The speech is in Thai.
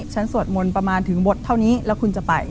สวดมนต์ประมาณถึงบทเท่านี้แล้วคุณจะไป